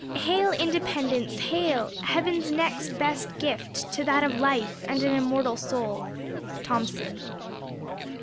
"Hail! independence, hail! heaven's next best gift, To that of life, and an immortal soul." THOMSON.